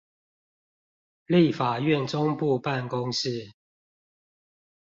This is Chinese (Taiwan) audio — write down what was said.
立法院中部辦公室